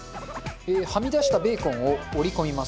はみ出したベーコンを折り込みます。